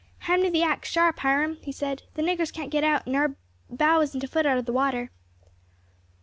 "Hand me the axe, sharp, Hiram," he said; "the niggers can't get out, and our bow isn't a foot out of water."